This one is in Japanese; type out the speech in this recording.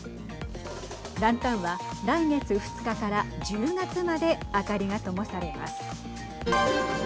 ランタンは来月２日から１０月まで明かりがともされます。